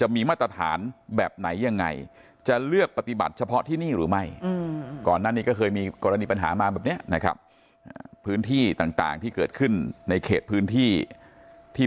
มาแบบนี้นะครับพื้นที่ต่างที่เกิดขึ้นในเขตพื้นที่ที่